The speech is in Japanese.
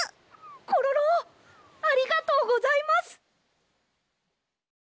コロロありがとうございます。